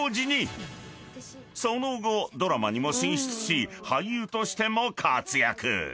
［その後ドラマにも進出し俳優としても活躍］